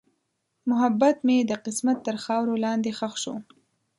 محبت مې د قسمت تر خاورو لاندې ښخ شو.